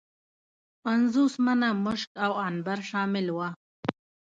پنځوس منه مشک او عنبر شامل وه.